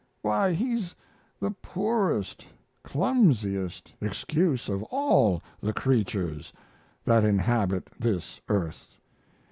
Why, he's the poorest, clumsiest excuse of all the creatures that inhabit this earth.